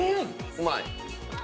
うまい？